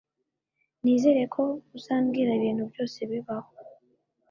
Nizere ko uzambwira ibintu byose bibaho